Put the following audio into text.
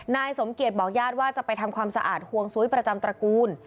นายสมเกียจบอกญาติว่าจะไปทำความสะอาดห่วงซุ้ยประจำตระกูล